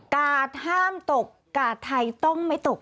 กาดห้ามตกกาดไทยต้องไม่ตก